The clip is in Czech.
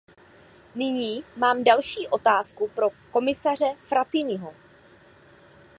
Nyní mám další otázku pro komisaře Frattiniho.